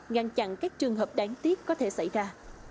ngăn chặn các trường hợp đáng tiếc có thể xảy ra